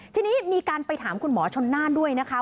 ทีนี้มีการไปถามคุณหมอชนน่านด้วยนะคะ